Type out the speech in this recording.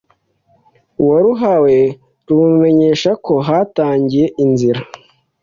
uwaruhawe rumumenyesha ko hatangiye inzira